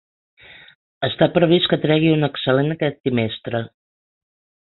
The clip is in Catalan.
Està previst que tregui un excel·lent aquest trimestre.